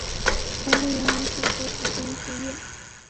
咸丰元年署国子监司业。